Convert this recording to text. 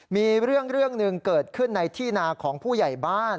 มีเรื่องหนึ่งเกิดขึ้นในที่นาของผู้ใหญ่บ้าน